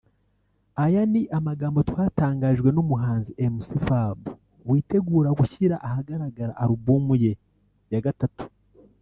aya ni amagambo twatangarijwe n’Umuhanzi Mc Fab witegura gushyira ahagaragara album ye ya gatatu